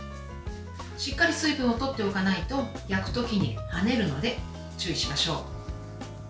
しっかり水分をとっておかないと焼くときにはねるので注意しましょう。